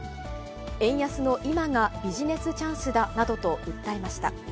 円安の今がビジネスチャンスだなどと訴えました。